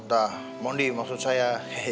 nah mondi maksud saya